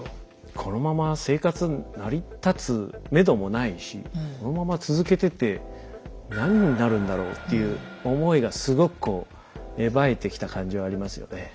このまま生活成り立つめどもないしこのまま続けてて何になるんだろうっていう思いがすごくこう芽生えてきた感じはありますよね。